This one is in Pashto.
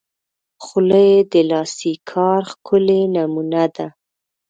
خولۍ د لاسي کار ښکلی نمونه ده.